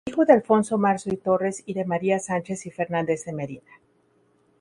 Hijo de Alfonso Marzo y Torres y de María Sanchez y Fernandez de Medina.